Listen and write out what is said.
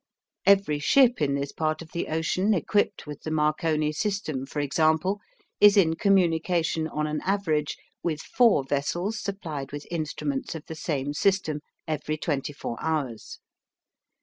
Every ship in this part of the ocean equipped with the Marconi system, for example, is in communication on an average with four vessels supplied with instruments of the same system every twenty four hours.